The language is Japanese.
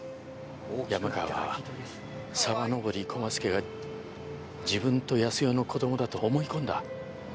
山川は沢登駒輔が自分と康代の子供だと思い込んだ。